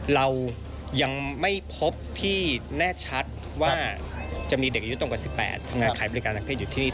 เรายังไม่พบที่แน่ชัดว่าจะมีเด็กอายุตรงกว่า๑๘ทำงานขายบริการทางเพศอยู่ที่นี่